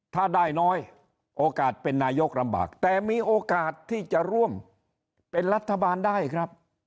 ถ้าได้น้อยโอกาสเป็นนายกลำบากแต่มีโอกาสที่จะร่วมเป็นรัฐบาลได้ครับ